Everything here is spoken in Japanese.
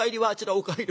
お帰り